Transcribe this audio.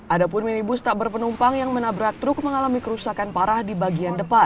ada pun minibus tak berpenumpang yang menabrak truk mengalami kerusakan parah di bagian depan